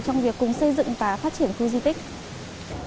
trong việc cùng xây dựng và phát triển khu di tích